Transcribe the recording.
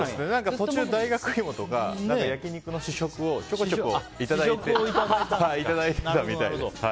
途中、大学イモとか焼き肉の試食をちょこちょこいただいていたみたいです。